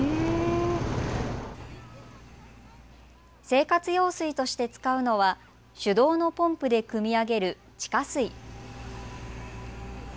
生活用水として使うのは手動のポンプでくみ上げる地下水。